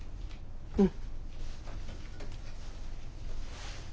うん。